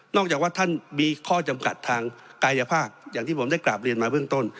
จากว่าท่านมีข้อจำกัดทางกายภาพอย่างที่ผมได้กราบเรียนมาเบื้องต้น